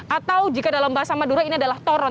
atau jika dalam bahasa madura ini adalah toron